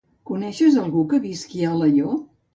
Coneixes algú que visqui a Alaior?